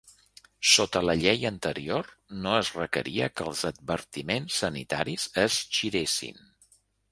Sota la llei anterior, no es requeria que els advertiments sanitaris es giressin.